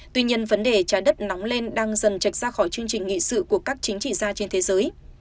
tuy nhiên vấn đề trái đất nóng lên đang dần chạch ra khỏi chương trình nghị sự của các chính trị gia trên thế giới